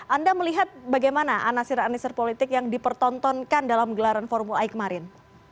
anda melihat bagaimana anasir anisir politik yang dipertontonkan dalam gelaran formula e kemarin